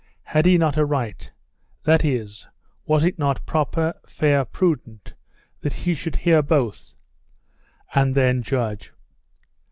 Had he not a right that is, was it not proper, fair, prudent, that he should hear both, and then judge?